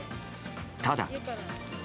ただ。